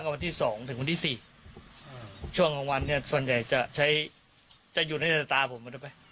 มาซ่อมรถกับผมตั้งต่อวันที่๒ถึงวันที่๔เนี่ยส่วนใหญ่จะจะหยุดไว้ตั้งแต่ตาผม